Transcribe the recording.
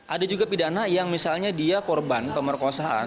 ada juga pidana yang misalnya dia korban pemerkosaan